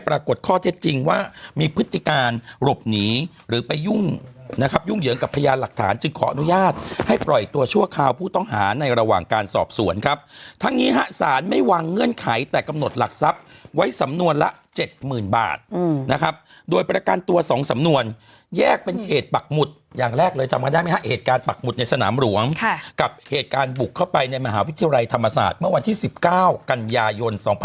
พฤติการหลบหนีหรือไปยุ่งนะครับยุ่งเหยิงกับพญานหลักฐานจึงขออนุญาตให้ปล่อยตัวชั่วคราวผู้ต้องหาในระหว่างการสอบส่วนครับทั้งนี้ฮะสารไม่วางเงื่อนไขแต่กำหนดหลักทรัพย์ไว้สำนวนละ๗๐๐๐๐บาทนะครับโดยประกันตัว๒สำนวนแยกเป็นเหตุปักหมุดอย่างแรกเลยจำกันได้ไหมฮะเหตุการณ์ปักหมุดใน